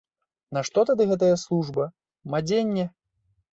Нашто тады гэтая служба, мадзенне?